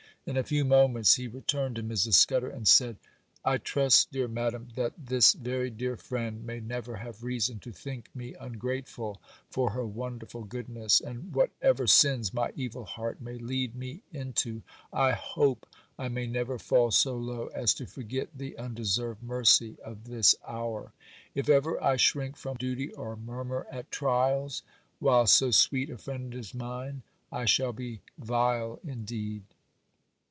In a few moments he returned to Mrs. Scudder and said,— 'I trust, dear madam, that this very dear friend may never have reason to think me ungrateful for her wonderful goodness; and whatever sins my evil heart may lead me into, I hope I may never fall so low as to forget the undeserved mercy of this hour. If ever I shrink from duty or murmur at trials, while so sweet a friend is mine, I shall be vile indeed.